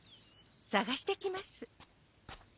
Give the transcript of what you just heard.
さがしてきます。